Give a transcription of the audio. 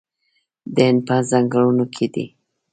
د هند په ځنګلونو کې دي